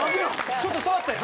ちょっと触ったやん。